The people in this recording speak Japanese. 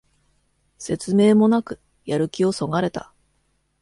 説明もなくやる気をそがれた